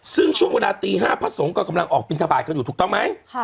ซึ่งช่วงเวลาตี๕พระสงฆ์ก็กำลังออกบินทบาทกันอยู่ถูกต้องไหม